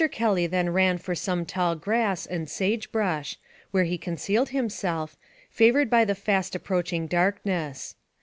Kelly then ran for some tall grass and sage brush, where he concealed himself, favored by the fast approaching darkness.